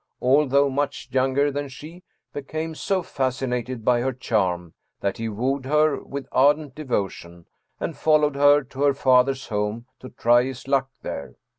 although much younger than she, became so fascinated by her charm that he wooed her with ardent devotion and followed her to her father's home to try his luck there.